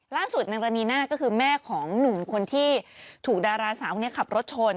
นางรณีน่าก็คือแม่ของหนุ่มคนที่ถูกดาราสาวคนนี้ขับรถชน